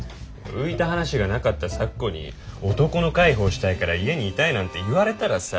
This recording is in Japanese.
浮いた話がなかった咲子に男の介抱したいから家にいたいなんて言われたらさ。